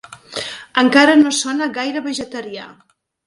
Encara no sona gaire vegetarià.